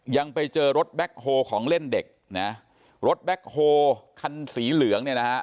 ยังไปเจอรถแบ็คโฮของเล่นเด็กนะรถแบ็คโฮคันสีเหลืองเนี่ยนะฮะ